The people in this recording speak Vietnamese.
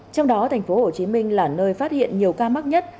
trong đó tp hcm là nơi phát hiện nhiều ca mắc nhất